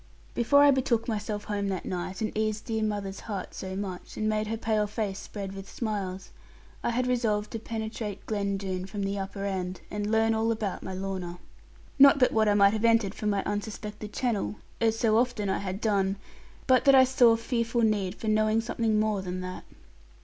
Before I betook myself home that night, and eased dear mother's heart so much, and made her pale face spread with smiles, I had resolved to penetrate Glen Doone from the upper end, and learn all about my Lorna. Not but what I might have entered from my unsuspected channel, as so often I had done; but that I saw fearful need for knowing something more than that.